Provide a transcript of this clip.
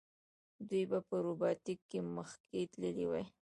دوی په روباټیک کې مخکې تللي دي.